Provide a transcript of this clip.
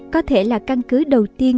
có thể là căn cứ đầu tiên